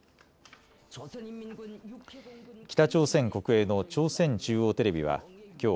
北朝鮮北朝鮮国営の朝鮮中央テレビはきょう